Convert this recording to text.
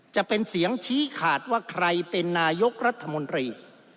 จะเป็นเสียงชี้ขาดว่าใครเป็นนายกรัฐมนตรี